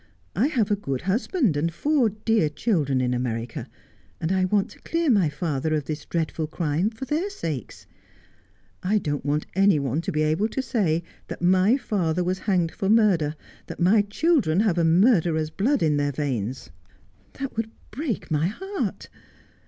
I have a good husband, and four dear children, in America, and I want to clear my father of this dreadful crime for their sakes. I don't want any one to be able to say that my father was hanged for murder, that my children have a murderer's blood in their veins. That would break my heart.